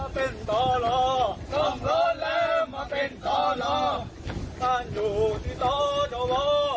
ต้องร้อนแรงมาเป็นตอลอ